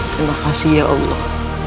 terima kasih ya allah